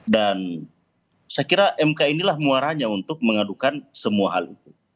dan saya kira mk inilah muaranya untuk mengadukan semua hal itu